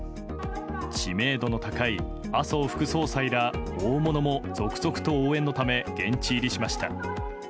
知名度の高い麻生副総裁ら大物も続々と応援のため現地入りしました。